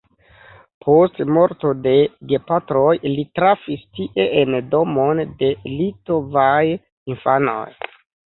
Post morto de gepatroj li trafis tie en domon de litovaj infanoj.